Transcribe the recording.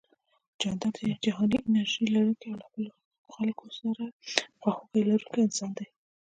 جانداد جهاني انرژي لرونکی او له خپلو خلکو سره خواخوږي لرونکی انسان دی